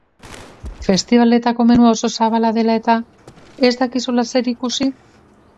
Festibaletako menua oso zabala dela-eta, ez dakizula zer ikusi?